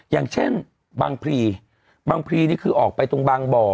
อย่างเช่นบางพลีบางพลีนี่คือออกไปตรงบางบ่อ